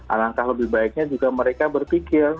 alangkah lebih baiknya juga mereka berpikir